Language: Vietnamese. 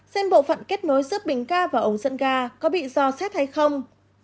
xem bộ phận kết nối giữa bình ga và ống dẫn ga có bị do xét hay không